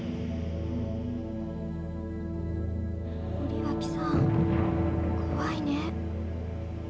・森脇さん怖いね。